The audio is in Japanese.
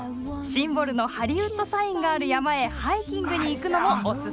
シンボルの「ハリウッドサイン」がある山へハイキングに行くのもオススメですよ。